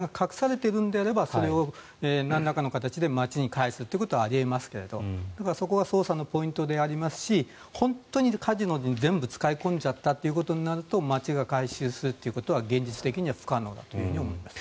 ただ、どこかに本当にお金が隠されているのであればそれをなんらかの形で町に返すということはあり得ますがそこが捜査のポイントでありますし本当にカジノに全部使い込んじゃったということになると町が回収するということは現実的には不可能だと思います。